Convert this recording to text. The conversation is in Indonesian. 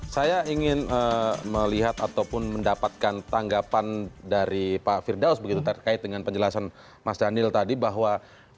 saya ingin melihat ataupun mendapatkan tanggapan dari pak firdaus begitu terkait dengan penjelasan mas daniel tadi bahwa